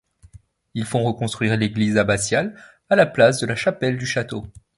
Ils font reconstruire l'église abbatiale à la place de la chapelle du château.